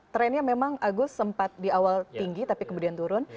trennya memang agus sempat di awal tinggi tapi kemudian turun